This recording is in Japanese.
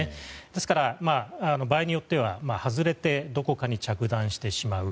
ですから、場合によっては外れてどこかに着弾してしまう。